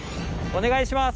「お願いします」？